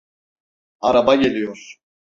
Araba geliyor.